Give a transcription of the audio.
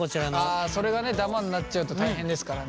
あそれがダマになっちゃうと大変ですからね。